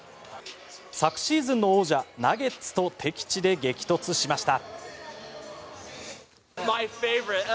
昨シーズンの王者、ナゲッツと敵地で激突しました。